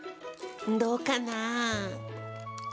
どうかな？